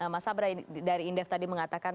mas abra dari indef tadi mengatakan